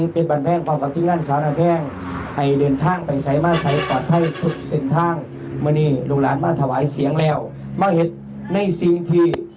พร้อมให้มาเที่ยวหลับอันนี้